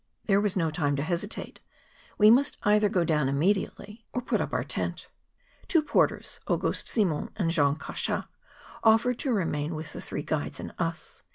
There was no time to hesitate; we must either go down immediately MONT BLANC. 23 or put up our tent. Two porters, Auguste Si mond and Jean Cachat, offered to remain with the three guides and us.